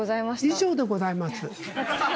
以上でございます。